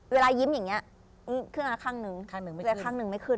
เวลายิ้มอย่างนี้ข้างหนึ่งก็ไม่ขึ้น